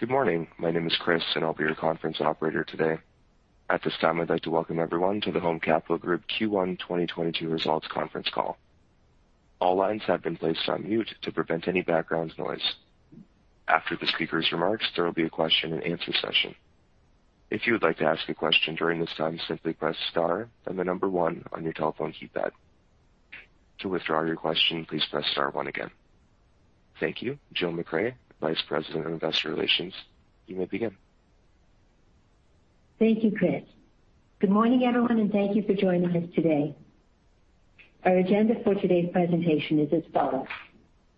Good morning. My name is Chris, and I'll be your conference operator today. At this time, I'd like to welcome everyone to the Home Capital Group Q1 2022 Results Conference Call. All lines have been placed on mute to prevent any background noise. After the speaker's remarks, there will be a question-and-answer session. If you would like to ask a question during this time, simply press star, then the number one on your telephone keypad. To withdraw your question, please press star one again. Thank you. Jill MacRae, Vice President of Investor Relations, you may begin. Thank you, Chris. Good morning, everyone, and thank you for joining us today. Our agenda for today's presentation is as follows.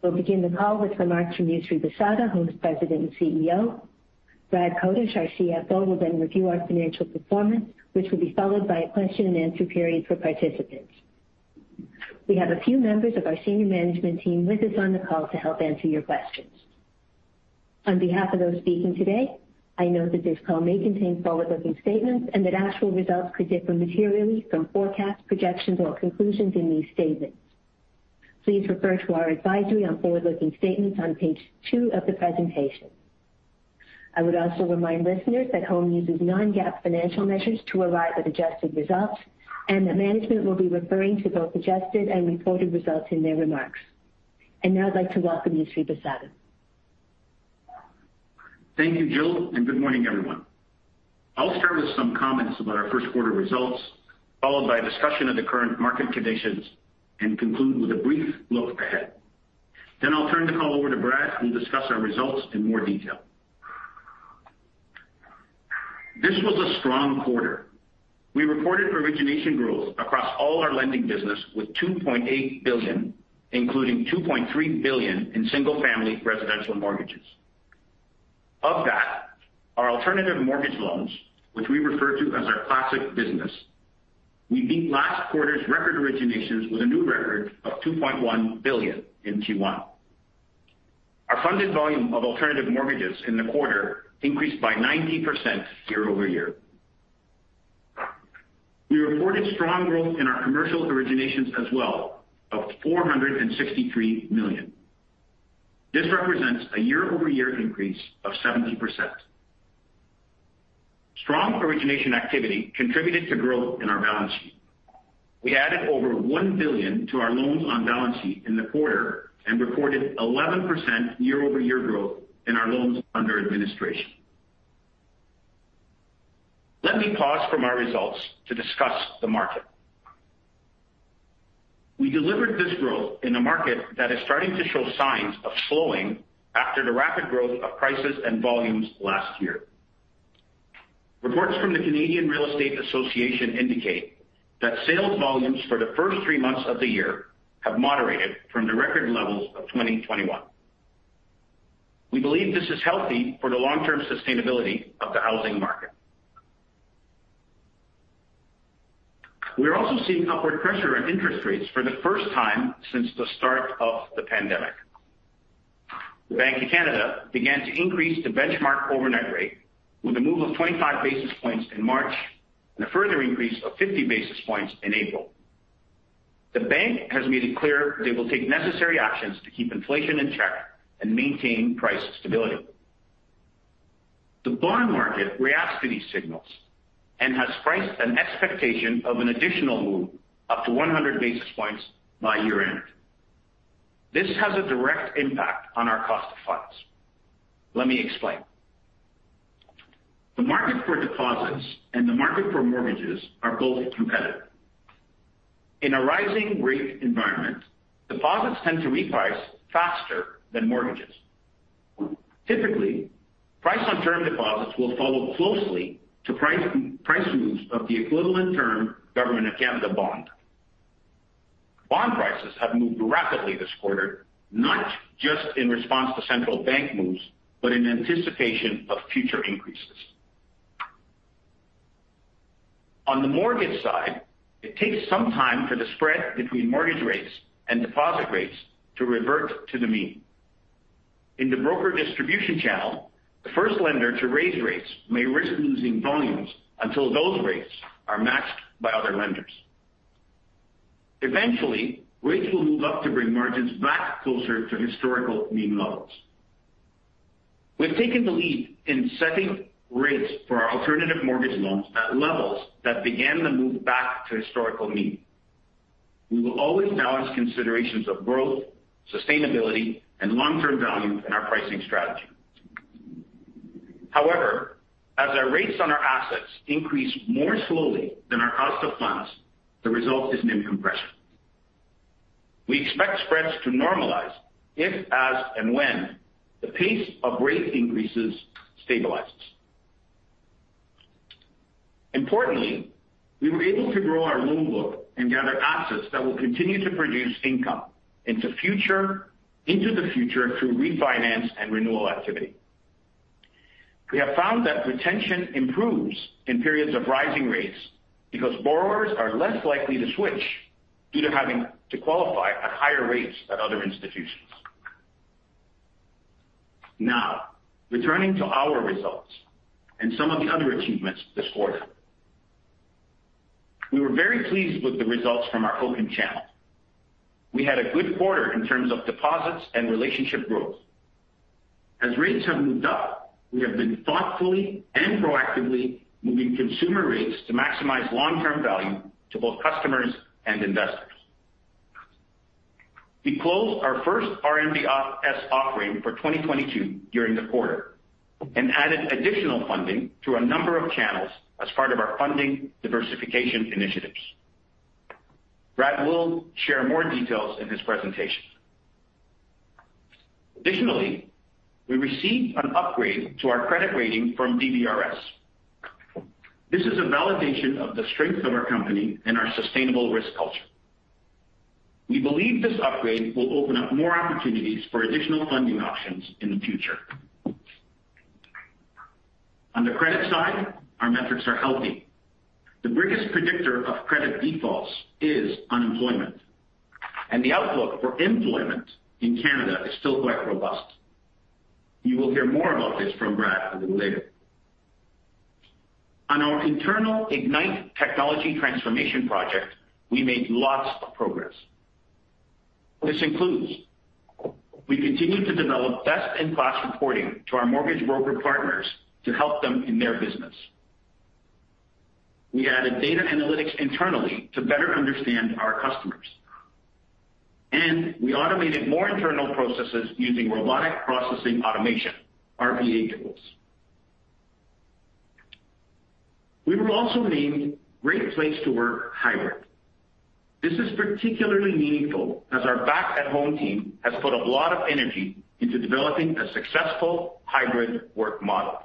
We'll begin the call with remarks from Yousry Bissada, who is President and CEO. Brad Kotush, our CFO, will then review our financial performance, which will be followed by a question-and-answer period for participants. We have a few members of our senior management team with us on the call to help answer your questions. On behalf of those speaking today, I note that this call may contain forward-looking statements and that actual results could differ materially from forecasts, projections, or conclusions in these statements. Please refer to our advisory on forward-looking statements on page two of the presentation. I would also remind listeners that Home uses non-GAAP financial measures to arrive at adjusted results, and that management will be referring to both adjusted and reported results in their remarks. Now I'd like to welcome Yousry Bissada. Thank you, Jill, and good morning, everyone. I'll start with some comments about our first quarter results, followed by a discussion of the current market conditions and conclude with a brief look ahead. I'll turn the call over to Brad, who'll discuss our results in more detail. This was a strong quarter. We reported origination growth across all our lending business with 2.8 billion, including 2.3 billion in single-family residential mortgages. Of that, our alternative mortgage loans, which we refer to as our classic business, we beat last quarter's record originations with a new record of 2.1 billion in Q1. Our funded volume of alternative mortgages in the quarter increased by 90% year-over-year. We reported strong growth in our commercial originations as well of 463 million. This represents a year-over-year increase of 70%. Strong origination activity contributed to growth in our balance sheet. We added over 1 billion to our loans on balance sheet in the quarter and reported 11% year-over-year growth in our loans under administration. Let me pause from our results to discuss the market. We delivered this growth in a market that is starting to show signs of slowing after the rapid growth of prices and volumes last year. Reports from the Canadian Real Estate Association indicate that sales volumes for the first three months of the year have moderated from the record levels of 2021. We believe this is healthy for the long-term sustainability of the housing market. We are also seeing upward pressure on interest rates for the first time since the start of the pandemic. The Bank of Canada began to increase the benchmark overnight rate with a move of 25 basis points in March and a further increase of 50 basis points in April. The bank has made it clear they will take necessary actions to keep inflation in check and maintain price stability. The bond market reacts to these signals and has priced an expectation of an additional move up to 100 basis points by year-end. This has a direct impact on our cost of funds. Let me explain. The market for deposits and the market for mortgages are both competitive. In a rising rate environment, deposits tend to reprice faster than mortgages. Typically, pricing on term deposits will follow closely the price moves of the equivalent term Government of Canada bond. Bond prices have moved rapidly this quarter, not just in response to central bank moves, but in anticipation of future increases. On the mortgage side, it takes some time for the spread between mortgage rates and deposit rates to revert to the mean. In the broker distribution channel, the first lender to raise rates may risk losing volumes until those rates are matched by other lenders. Eventually, rates will move up to bring margins back closer to historical mean levels. We've taken the lead in setting rates for our alternative mortgage loans at levels that began the move back to historical mean. We will always balance considerations of growth, sustainability, and long-term value in our pricing strategy. However, as our rates on our assets increase more slowly than our cost of funds, the result is an income pressure. We expect spreads to normalize if, as, and when the pace of rate increases stabilizes. Importantly, we were able to grow our loan book and gather assets that will continue to produce income into the future through refinance and renewal activity. We have found that retention improves in periods of rising rates because borrowers are less likely to switch due to having to qualify at higher rates at other institutions. Now, returning to our results and some of the other achievements this quarter. We were very pleased with the results from our open channel. We had a good quarter in terms of deposits and relationship growth. As rates have moved up, we have been thoughtfully and proactively moving consumer rates to maximize long-term value to both customers and investors. We closed our first RMBS offering for 2022 during the quarter and added additional funding through a number of channels as part of our funding diversification initiatives. Brad will share more details in his presentation. Additionally, we received an upgrade to our credit rating from DBRS. This is a validation of the strength of our company and our sustainable risk culture. We believe this upgrade will open up more opportunities for additional funding options in the future. On the credit side, our metrics are healthy. The biggest predictor of credit defaults is unemployment, and the outlook for employment in Canada is still quite robust. You will hear more about this from Brad a little later. On our internal Ignite technology transformation project, we made lots of progress. This includes. We continue to develop best-in-class reporting to our mortgage broker partners to help them in their business. We added data analytics internally to better understand our customers, and we automated more internal processes using robotic process automation, RPA tools. We were also named Great Place to Work hybrid. This is particularly meaningful as our back-at-Home team has put a lot of energy into developing a successful hybrid work model.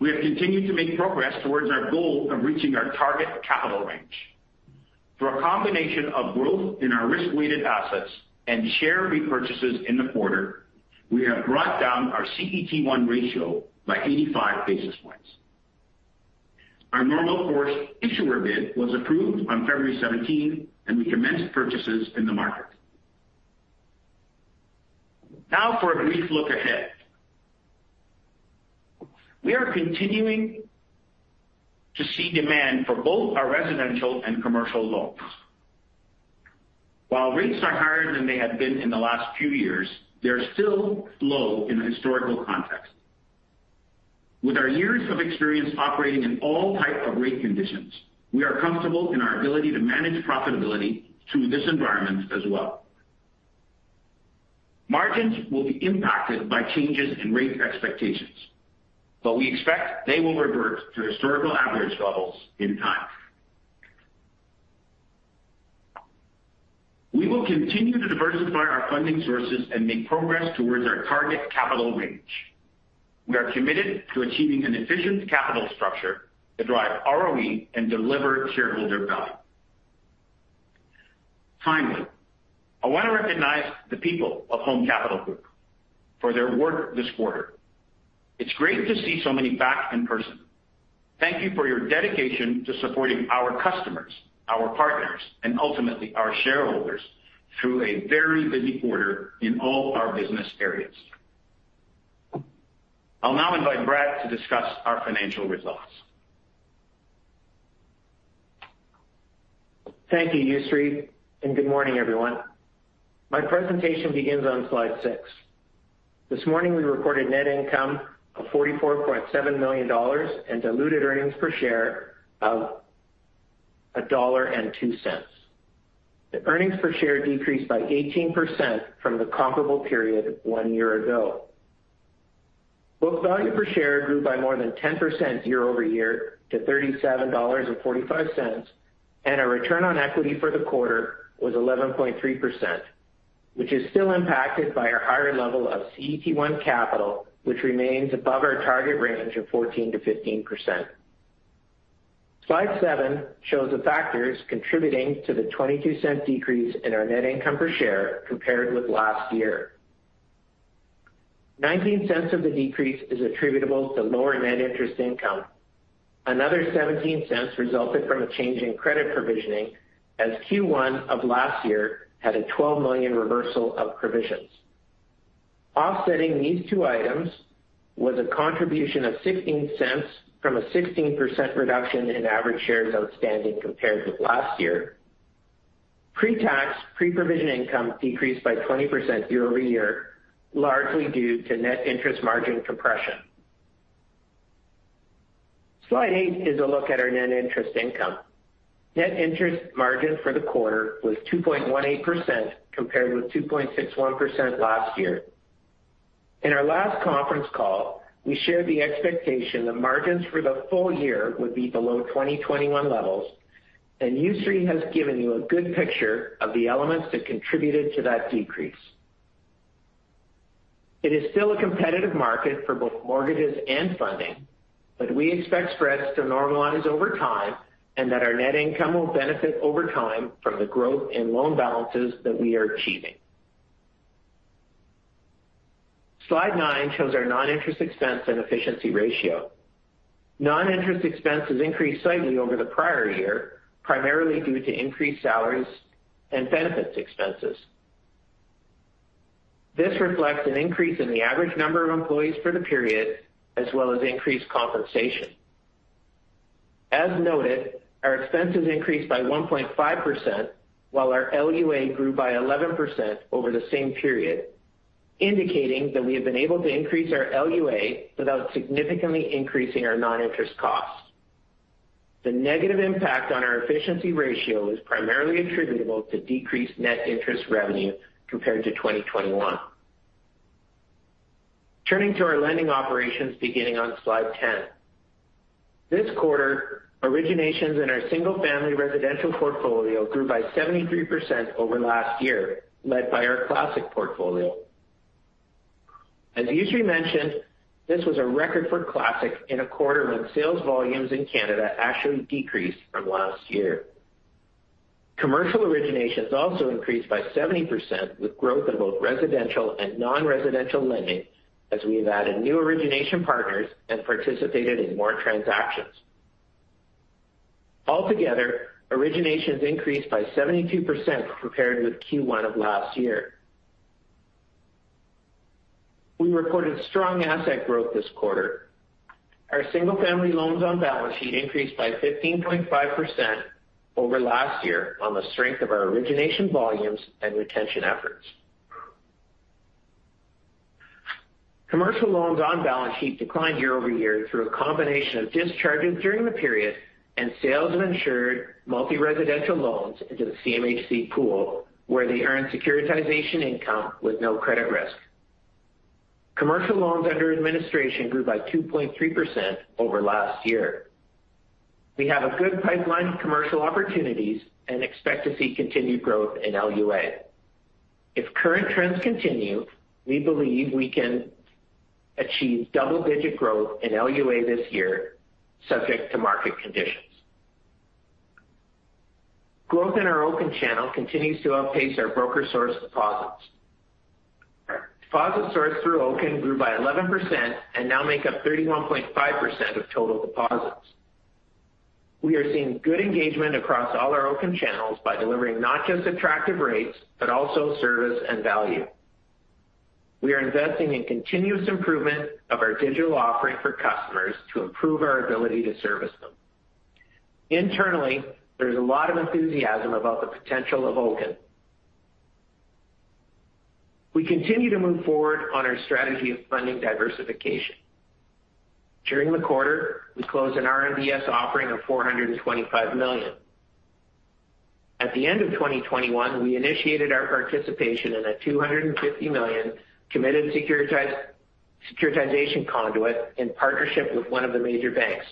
We have continued to make progress towards our goal of reaching our target capital range. Through a combination of growth in our risk-weighted assets and share repurchases in the quarter, we have brought down our CET1 ratio by 85 basis points. Our normal course issuer bid was approved on February 17, and we commenced purchases in the market. Now for a brief look ahead. We are continuing to see demand for both our residential and commercial loans. While rates are higher than they had been in the last few years, they're still low in a historical context. With our years of experience operating in all types of rate conditions, we are comfortable in our ability to manage profitability through this environment as well. Margins will be impacted by changes in rate expectations, but we expect they will revert to historical average levels in time. We will continue to diversify our funding sources and make progress towards our target capital range. We are committed to achieving an efficient capital structure to drive ROE and deliver shareholder value. Finally, I want to recognize the people of Home Capital Group for their work this quarter. It's great to see so many back in person. Thank you for your dedication to supporting our customers, our partners, and ultimately, our shareholders through a very busy quarter in all our business areas. I'll now invite Brad to discuss our financial results. Thank you, Yousry, and good morning, everyone. My presentation begins on slide six. This morning, we reported net income of 44.7 million dollars and diluted earnings per share of 1.02 dollar. The earnings per share decreased by 18% from the comparable period one year ago. Book value per share grew by more than 10% year-over-year to 37.45 dollars, and our return on equity for the quarter was 11.3%, which is still impacted by our higher level of CET1 capital, which remains above our target range of 14%-15%. Slide seven shows the factors contributing to the 0.22 decrease in our net income per share compared with last year. CAD 0.19 of the decrease is attributable to lower net interest income. Another 0.17 resulted from a change in credit provisioning, as Q1 of last year had a 12 million reversal of provisions. Offsetting these two items was a contribution of 0.16 from a 16% reduction in average shares outstanding compared with last year. Pre-tax, pre-provision income decreased by 20% year-over-year, largely due to net interest margin compression. Slide eight is a look at our net interest income. Net interest margin for the quarter was 2.18% compared with 2.61% last year. In our last conference call, we shared the expectation that margins for the full year would be below 2021 levels, and Yousry Bissada has given you a good picture of the elements that contributed to that decrease. It is still a competitive market for both mortgages and funding, but we expect spreads to normalize over time and that our net income will benefit over time from the growth in loan balances that we are achieving. Slide nine shows our non-interest expense and efficiency ratio. Non-interest expenses increased slightly over the prior year, primarily due to increased salaries and benefits expenses. This reflects an increase in the average number of employees for the period, as well as increased compensation. As noted, our expenses increased by 1.5%, while our LUA grew by 11% over the same period, indicating that we have been able to increase our LUA without significantly increasing our non-interest costs. The negative impact on our efficiency ratio is primarily attributable to decreased net interest revenue compared to 2021. Turning to our lending operations beginning on slide 10. This quarter, originations in our single-family residential portfolio grew by 73% over last year, led by our classic portfolio. As Yousry mentioned, this was a record for classic in a quarter when sales volumes in Canada actually decreased from last year. Commercial originations also increased by 70% with growth in both residential and non-residential lending as we have added new origination partners and participated in more transactions. Altogether, originations increased by 72% compared with Q1 of last year. We reported strong asset growth this quarter. Our single-family loans on balance sheet increased by 15.5% over last year on the strength of our origination volumes and retention efforts. Commercial loans on balance sheet declined year-over-year through a combination of discharges during the period and sales of insured multi-residential loans into the CMHC pool, where they earn securitization income with no credit risk. Commercial loans under administration grew by 2.3% over last year. We have a good pipeline of commercial opportunities and expect to see continued growth in LUA. If current trends continue, we believe we can achieve double-digit growth in LUA this year, subject to market conditions. Growth in our open channel continues to outpace our broker source deposits. Deposits sourced through Oaken grew by 11% and now make up 31.5% of total deposits. We are seeing good engagement across all our Oaken channels by delivering not just attractive rates, but also service and value. We are investing in continuous improvement of our digital offering for customers to improve our ability to service them. Internally, there's a lot of enthusiasm about the potential of Oaken. We continue to move forward on our strategy of funding diversification. During the quarter, we closed an RMBS offering of 425 million. At the end of 2021, we initiated our participation in a 250 million committed securitization conduit in partnership with one of the major banks,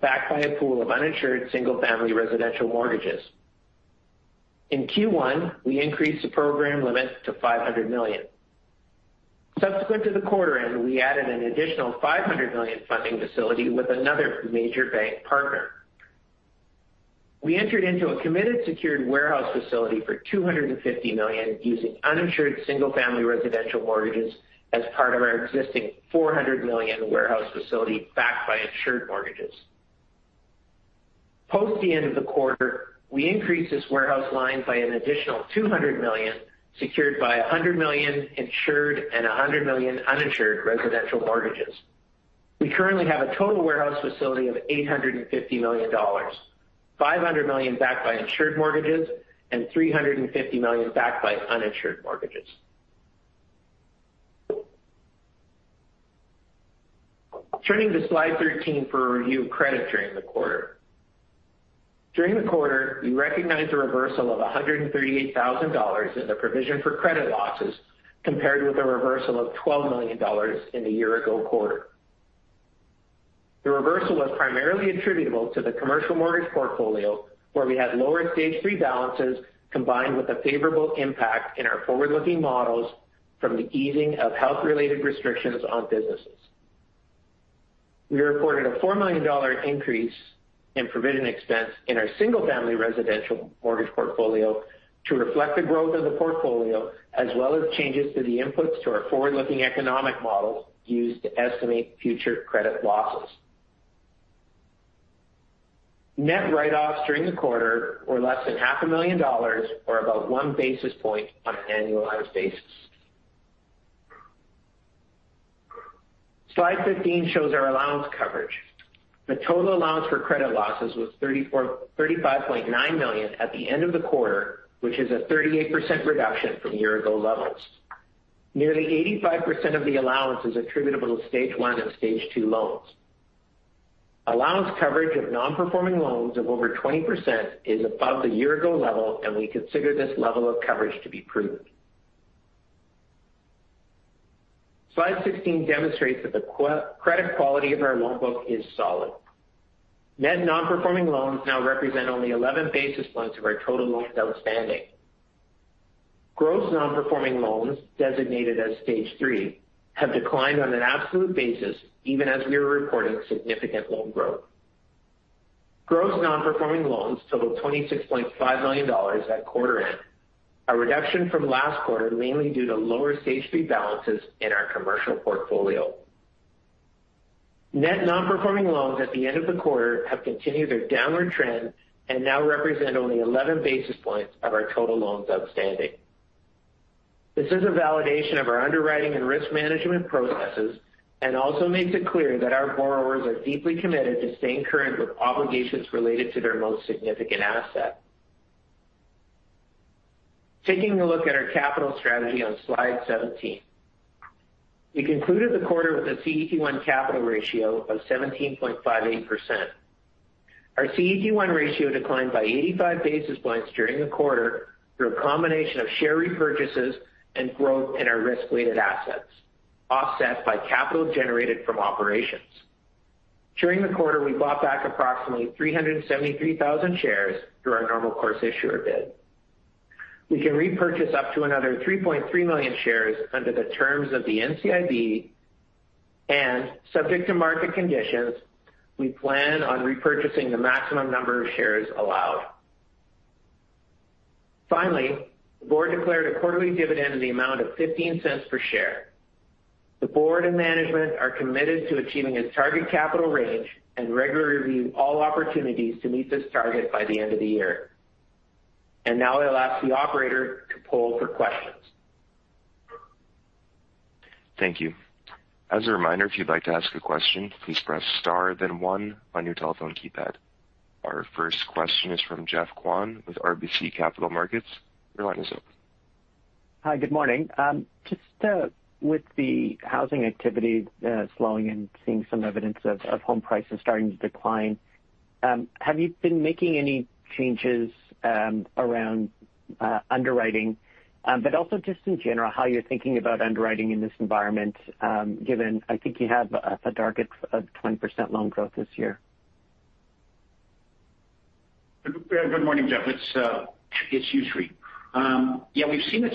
backed by a pool of uninsured single-family residential mortgages. In Q1, we increased the program limits to 500 million. Subsequent to the quarter end, we added an additional 500 million funding facility with another major bank partner. We entered into a committed secured warehouse facility for 250 million using uninsured single-family residential mortgages as part of our existing 400 million warehouse facility backed by insured mortgages. Post the end of the quarter, we increased this warehouse line by an additional 200 million, secured by 100 million insured and 100 million uninsured residential mortgages. We currently have a total warehouse facility of 850 million dollars, 500 million backed by insured mortgages and 350 million backed by uninsured mortgages. Turning to slide 13 for a review of credit during the quarter. During the quarter, we recognized a reversal of 138,000 dollars in the provision for credit losses compared with a reversal of 12 million dollars in the year-ago quarter. The reversal was primarily attributable to the commercial mortgage portfolio, where we had lower stage three balances combined with a favorable impact in our forward-looking models from the easing of health-related restrictions on businesses. We reported a 4 million dollar increase in provision expense in our single-family residential mortgage portfolio to reflect the growth of the portfolio, as well as changes to the inputs to our forward-looking economic models used to estimate future credit losses. Net write-offs during the quarter were less than 500,000 dollars or about one basis point on an annualized basis. Slide 15 shows our allowance coverage. The total allowance for credit losses was 35.9 million at the end of the quarter, which is a 38% reduction from year-ago levels. Nearly 85% of the allowance is attributable to stage one and stage two loans. Allowance coverage of non-performing loans of over 20% is above the year-ago level, and we consider this level of coverage to be prudent. Slide 16 demonstrates that the credit quality of our loan book is solid. Net non-performing loans now represent only 11 basis points of our total loans outstanding. Gross non-performing loans designated as stage three have declined on an absolute basis even as we are reporting significant loan growth. Gross non-performing loans totaled 26.5 million dollars at quarter end, a reduction from last quarter mainly due to lower stage three balances in our commercial portfolio. Net non-performing loans at the end of the quarter have continued their downward trend and now represent only 11 basis points of our total loans outstanding. This is a validation of our underwriting and risk management processes and also makes it clear that our borrowers are deeply committed to staying current with obligations related to their most significant asset. Taking a look at our capital strategy on slide 17. We concluded the quarter with a CET1 capital ratio of 17.58%. Our CET1 ratio declined by 85 basis points during the quarter through a combination of share repurchases and growth in our risk-weighted assets, offset by capital generated from operations. During the quarter, we bought back approximately 373,000 shares through our normal course issuer bid. We can repurchase up to another 3.3 million shares under the terms of the NCIB, and subject to market conditions, we plan on repurchasing the maximum number of shares allowed. Finally, the board declared a quarterly dividend in the amount of 0.15 per share. The board and management are committed to achieving its target capital range and regularly review all opportunities to meet this target by the end of the year. Now I'll ask the operator to poll for questions. Thank you. As a reminder, if you'd like to ask a question, please press star, then one on your telephone keypad. Our first question is from Geoffrey Kwan with RBC Capital Markets. Your line is open. Hi, good morning. Just with the housing activity slowing and seeing some evidence of home prices starting to decline, have you been making any changes around underwriting? Also just in general, how you're thinking about underwriting in this environment, given I think you have a target of 20% loan growth this year. Good morning, Geoffrey Kwan. It's Yousry Bissada. Yeah, we've seen it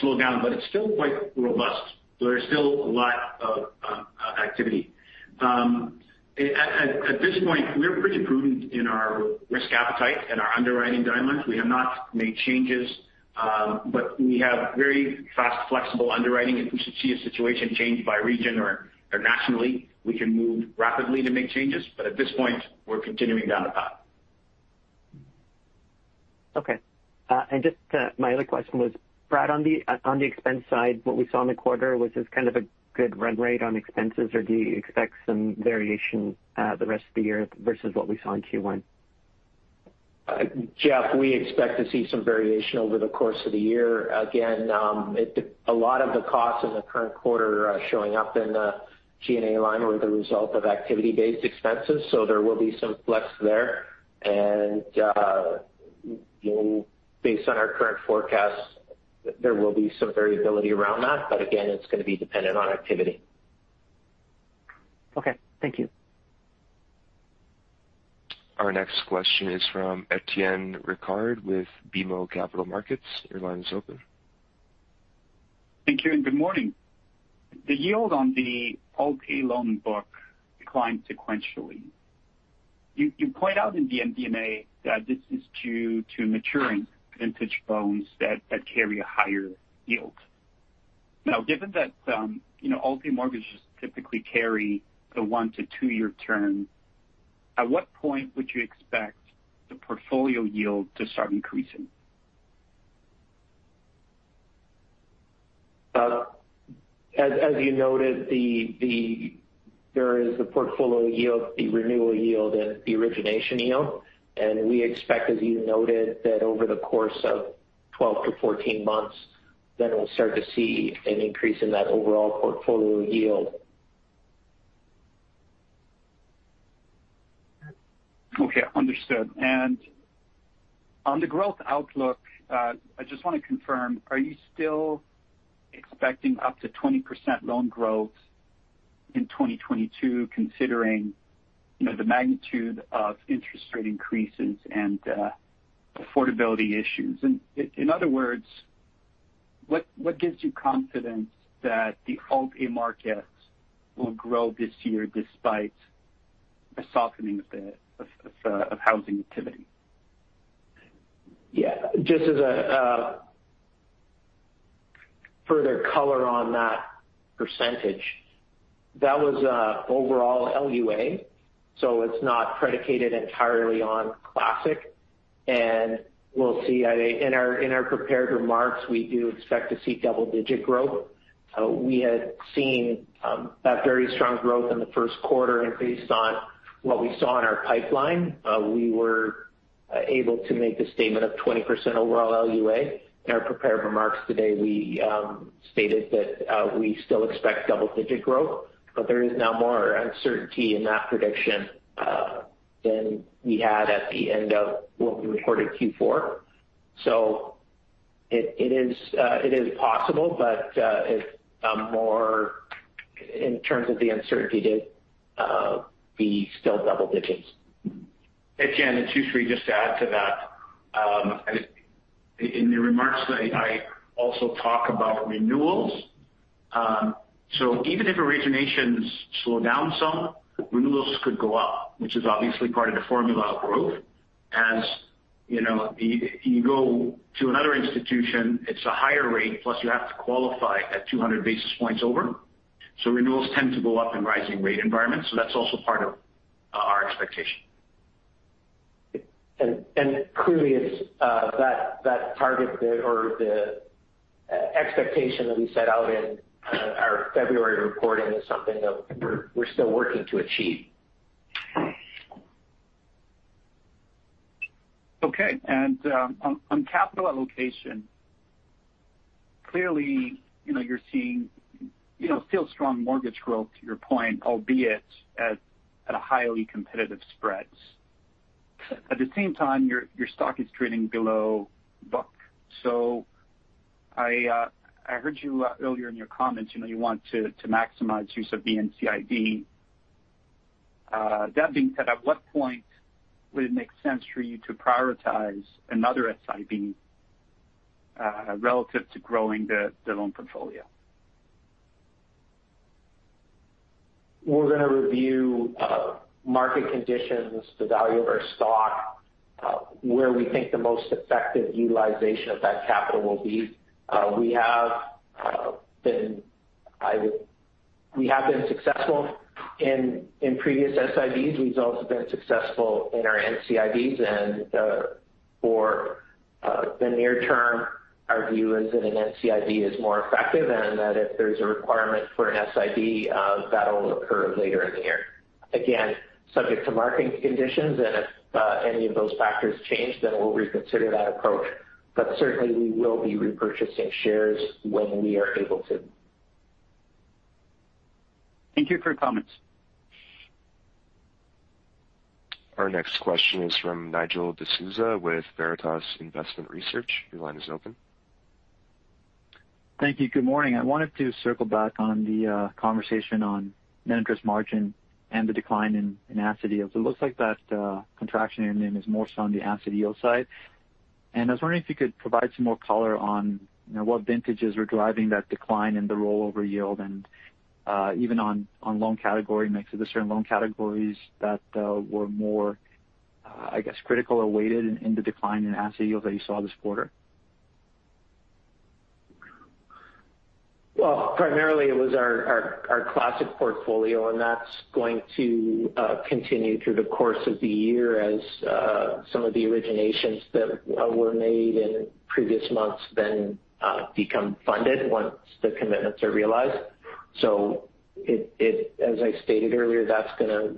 slow down, but it's still quite robust. There's still a lot of activity. At this point, we're pretty prudent in our risk appetite and our underwriting guidelines. We have not made changes, but we have very fast, flexible underwriting. If we should see a situation change by region or nationally, we can move rapidly to make changes. At this point, we're continuing down the path. Okay. Just, my other question was, Brad, on the expense side, what we saw in the quarter, was this kind of a good run rate on expenses, or do you expect some variation, the rest of the year versus what we saw in Q1? Jeff, we expect to see some variation over the course of the year. Again, a lot of the costs in the current quarter showing up in the G&A line were the result of activity-based expenses, so there will be some flex there. Based on our current forecasts, there will be some variability around that. Again, it's going to be dependent on activity. Okay. Thank you. Our next question is from Etienne Ricard with BMO Capital Markets. Your line is open. Thank you, and good morning. The yield on the Alt-A loan book declined sequentially. You point out in the MD&A that this is due to maturing vintage loans that carry a higher yield. Now, given that, you know, Alt-A mortgages typically carry a one to two-year term, at what point would you expect the portfolio yield to start increasing? As you noted, there is the portfolio yield, the renewal yield, and the origination yield. We expect, as you noted, that over the course of 12-14 months, we'll start to see an increase in that overall portfolio yield. Okay, understood. On the growth outlook, I just want to confirm, are you still expecting up to 20% loan growth in 2022, considering, you know, the magnitude of interest rate increases and affordability issues? In other words, what gives you confidence that the Alt-A markets will grow this year despite a softening of housing activity? Yeah. Just as a further color on that percentage, that was overall LUA, so it's not predicated entirely on classic. We'll see. In our prepared remarks, we do expect to see double-digit growth. We had seen that very strong growth in the first quarter. Based on what we saw in our pipeline, we were able to make the statement of 20% overall LUA. In our prepared remarks today, we stated that we still expect double-digit growth, but there is now more uncertainty in that prediction than we had at the end of what we reported Q4. It is possible, but it's more in terms of the uncertainty to be still double digits. Etienne, it's Yousry. Just to add to that, in the remarks, I also talk about renewals. Even if originations slow down some, renewals could go up, which is obviously part of the formula of growth. As you know, you go to another institution, it's a higher rate, plus you have to qualify at 200 basis points over. Renewals tend to go up in rising rate environments. That's also part of our expectation. Clearly it's that target there or the expectation that we set out in our February reporting is something that we're still working to achieve. Okay. On capital allocation, clearly, you know, you're seeing, you know, still strong mortgage growth to your point, albeit at a highly competitive spreads. At the same time, your stock is trading below book. I heard you earlier in your comments, you know, you want to maximize use of the NCIB. That being said, at what point would it make sense for you to prioritize another SIB relative to growing the loan portfolio? We're gonna review market conditions, the value of our stock, where we think the most effective utilization of that capital will be. We have been successful in previous SIBs. We've also been successful in our NCIBs. For the near term, our view is that an NCIB is more effective and that if there's a requirement for an SIB, that'll occur later in the year. Again, subject to market conditions, and if any of those factors change, then we'll reconsider that approach. Certainly we will be repurchasing shares when we are able to. Thank you for your comments. Our next question is from Nigel D'Souza with Veritas Investment Research. Your line is open. Thank you. Good morning. I wanted to circle back on the conversation on net interest margin and the decline in asset yield. It looks like that contraction in NIM is more so on the asset yield side. I was wondering if you could provide some more color on, you know, what vintages are driving that decline in the rollover yield and even on loan category mix. Are there certain loan categories that were more, I guess, critical or weighted in the decline in asset yield that you saw this quarter? Well, primarily it was our classic portfolio, and that's going to continue through the course of the year as some of the originations that were made in previous months then become funded once the commitments are realized. As I stated earlier, that's gonna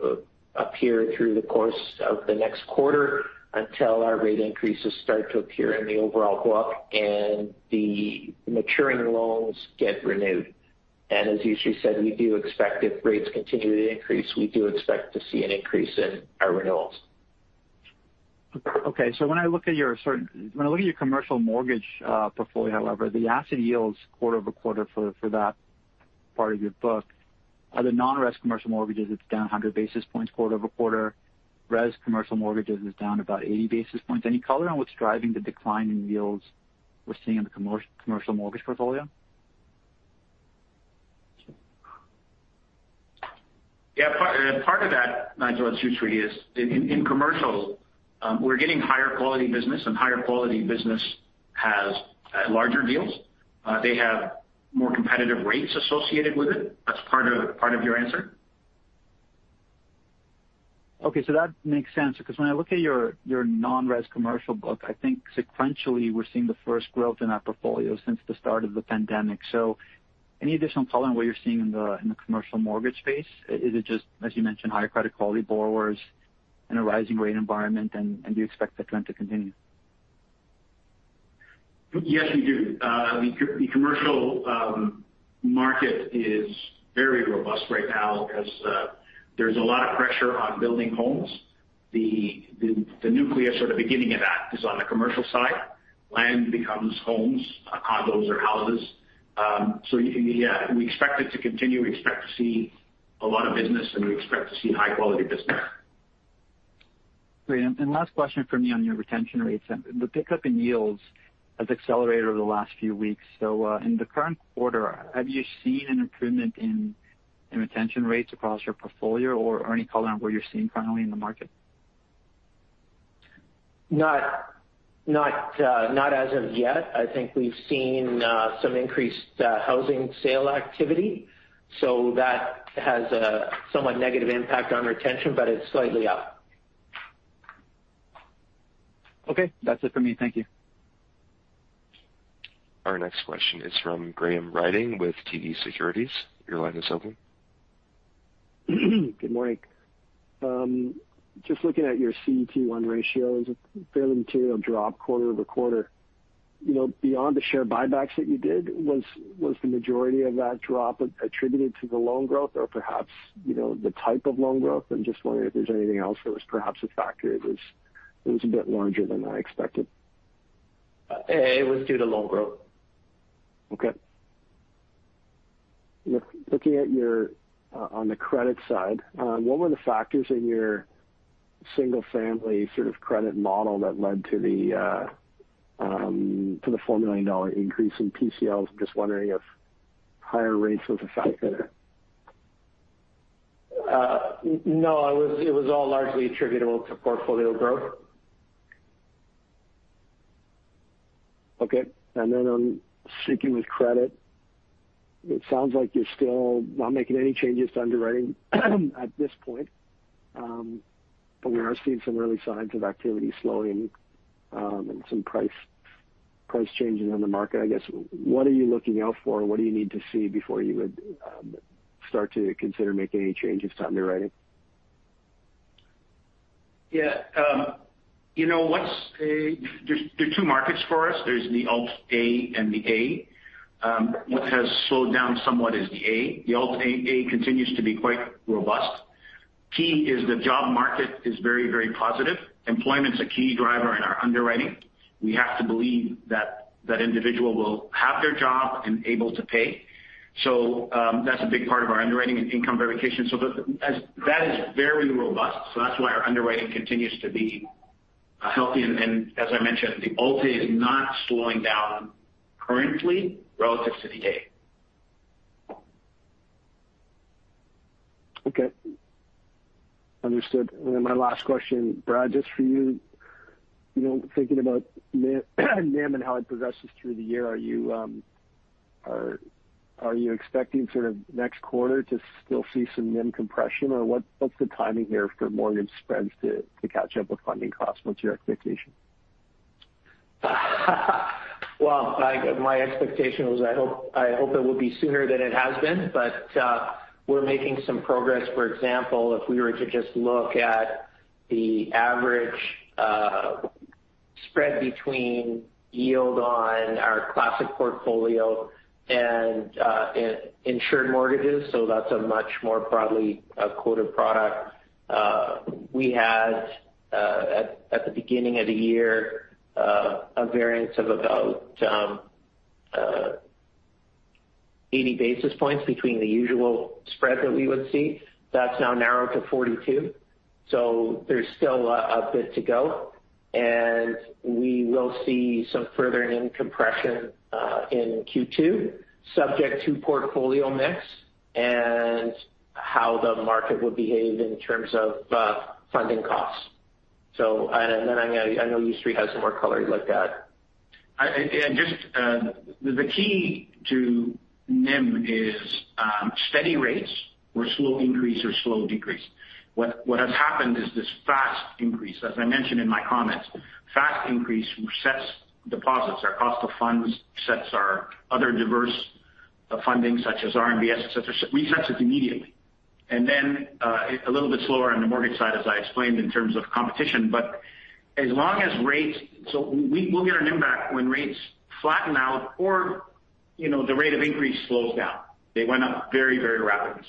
appear through the course of the next quarter until our rate increases start to appear in the overall book and the maturing loans get renewed. As you just said, we do expect if rates continue to increase, we do expect to see an increase in our renewals. When I look at your commercial mortgage portfolio, however, the asset yields quarter-over-quarter for that part of your book, the non-res commercial mortgages, it's down 100 basis points quarter-over-quarter. Res commercial mortgages is down about 80 basis points. Any color on what's driving the decline in yields we're seeing in the commercial mortgage portfolio? Yeah. Part of that, Nigel, excuse me, is in commercial. We're getting higher quality business, and higher quality business has larger deals. They have more competitive rates associated with it. That's part of your answer. Okay. That makes sense because when I look at your non-res commercial book, I think sequentially we're seeing the first growth in that portfolio since the start of the pandemic. Any additional color on what you're seeing in the commercial mortgage space? Is it just, as you mentioned, higher credit quality borrowers in a rising rate environment, and do you expect that trend to continue? Yes, we do. The commercial market is very robust right now as there's a lot of pressure on building homes. The nucleus or the beginning of that is on the commercial side. Land becomes homes, condos or houses. We expect it to continue. We expect to see a lot of business, and we expect to see high quality business. Great. Last question from me on your retention rates. The pickup in yields has accelerated over the last few weeks. In the current quarter, have you seen an improvement in retention rates across your portfolio or any color on what you're seeing currently in the market? Not as of yet. I think we've seen some increased housing sales activity, so that has a somewhat negative impact on retention, but it's slightly up. Okay. That's it for me. Thank you. Our next question is from Graham Ryding with TD Securities. Your line is open. Good morning. Just looking at your CET1 ratio, it was a fairly material drop quarter-over-quarter. You know, beyond the share buybacks that you did, was the majority of that drop attributed to the loan growth or perhaps, you know, the type of loan growth? I'm just wondering if there's anything else that was perhaps a factor. It was a bit larger than I expected. It was due to loan growth. Okay. Looking at your on the credit side, what were the factors in your single-family sort of credit model that led to the 4 million dollar increase in PCL? I'm just wondering if higher rates was a factor. No, it was all largely attributable to portfolio growth. Okay. On sticking with credit, it sounds like you're still not making any changes to underwriting at this point. We are seeing some early signs of activity slowing, and some price changes in the market. I guess, what are you looking out for? What do you need to see before you would start to consider making any changes to underwriting? Yeah. You know what's. There's two markets for us. There's the Alt-A and the A. What has slowed down somewhat is the A. The Alt-A continues to be quite robust. Key is the job market is very, very positive. Employment's a key driver in our underwriting. We have to believe that individual will have their job and able to pay. That's a big part of our underwriting and income verification. That is very robust, so that's why our underwriting continues to be healthy. As I mentioned, the Alt-A is not slowing down currently relative to the A. Okay. Understood. My last question, Brad, just for you. You know, thinking about NIM and how it progresses through the year, are you expecting sort of next quarter to still see some NIM compression? Or what's the timing here for mortgage spreads to catch up with funding costs? What's your expectation? Well, my expectation was I hope it would be sooner than it has been, but we're making some progress. For example, if we were to just look at the average spread between yield on our classic portfolio and uninsured mortgages, so that's a much more broadly quoted product. We had at the beginning of the year a variance of about 80 basis points between the usual spread that we would see. That's now narrowed to 42, so there's still a bit to go. We will see some further NIM compression in Q2, subject to portfolio mix and how the market will behave in terms of funding costs. I know Yousry has some more color he'd like to add. The key to NIM is steady rates or slow increase or slow decrease. What has happened is this fast increase. As I mentioned in my comments, fast increase resets deposits. Our cost of funds sets our other diversified funding such as RMBS, etc. It resets it immediately. A little bit slower on the mortgage side, as I explained, in terms of competition. As long as rates, we'll get our NIM back when rates flatten out or, you know, the rate of increase slows down. They went up very, very rapidly.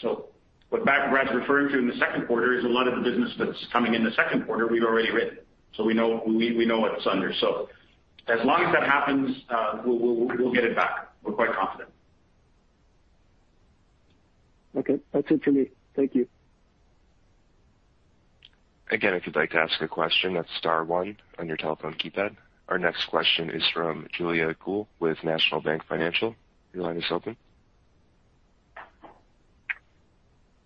What Brad's referring to in the second quarter is a lot of the business that's coming in the second quarter, we've already written. We know what it's under. As long as that happens, we'll get it back. We're quite confident. Okay. That's it for me. Thank you. Again, if you'd like to ask a question, that's star one on your telephone keypad. Our next question is from Jaeme Gloyn with National Bank Financial. Your line is open.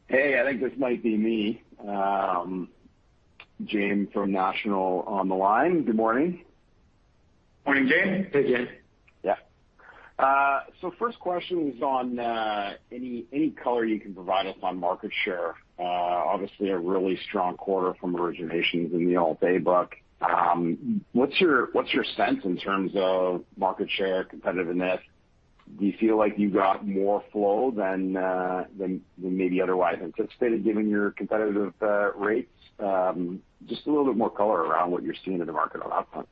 Hey. I think this might be me. Jaeme Gloyn from National on the line. Good morning. Morning, Jaeme. Hey, Jaeme. Yeah. So first question was on any color you can provide us on market share. Obviously a really strong quarter from originations in the Alt-A book. What's your sense in terms of market share competitiveness? Do you feel like you got more flow than maybe otherwise anticipated given your competitive rates? Just a little bit more color around what you're seeing in the market on that front.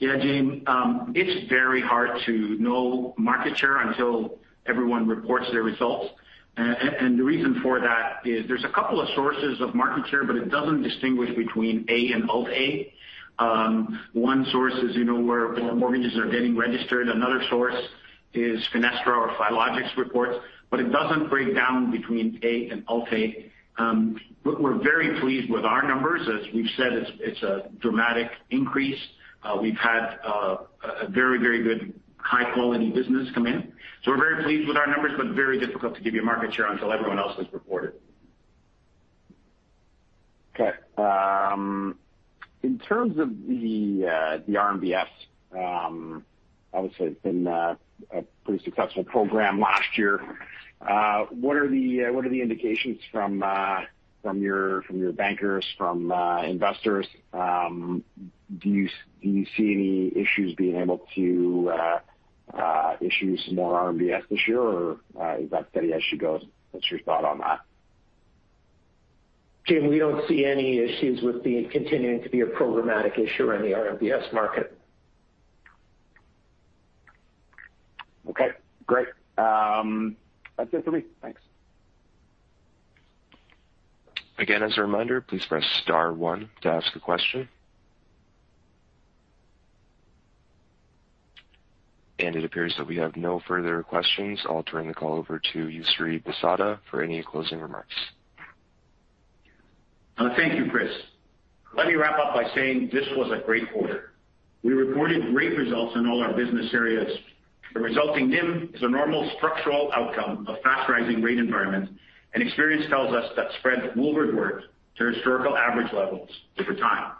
Yeah, Jaeme. It's very hard to know market share until everyone reports their results. The reason for that is there's a couple of sources of market share, but it doesn't distinguish between A and Alt-A. One source is, you know, where mortgages are getting registered. Another source is Finastra or Filogix reports. It doesn't break down between A and Alt-A. We're very pleased with our numbers. As we've said, it's a dramatic increase. We've had a very good high quality business come in. We're very pleased with our numbers, but very difficult to give you market share until everyone else has reported. Okay. In terms of the RMBS, obviously it's been a pretty successful program last year, what are the indications from your bankers, from investors? Do you see any issues being able to issue some more RMBS this year? Or is that steady as she goes? What's your thought on that? Jaeme, we don't see any issues with continuing to be a programmatic issue in the RMBS market. Okay, great. That's it for me. Thanks. Again, as a reminder, please press star one to ask a question. It appears that we have no further questions. I'll turn the call over to Yousry Bissada for any closing remarks. Thank you, Chris. Let me wrap up by saying this was a great quarter. We reported great results in all our business areas. The resulting NIM is a normal structural outcome of fast rising rate environment, and experience tells us that spreads will revert to historical average levels over time.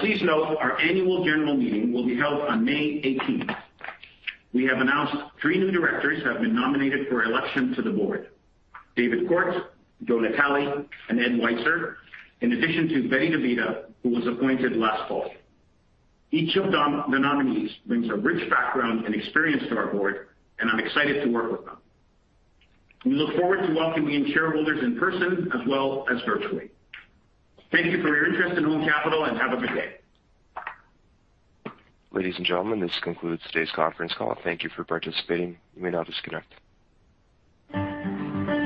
Please note our annual general meeting will be held on May 18th. We have announced three new directors have been nominated for election to the board: David Court, Joseph Natale, and Edward Waitzer, in addition to Betty DeVita, who was appointed last fall. Each of the nominees brings a rich background and experience to our board, and I'm excited to work with them. We look forward to welcoming shareholders in person as well as virtually. Thank you for your interest in Home Capital, and have a good day. Ladies and gentlemen, this concludes today's conference call. Thank you for participating. You may now disconnect.